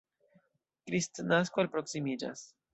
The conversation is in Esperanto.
Kristnasko alproksimiĝas.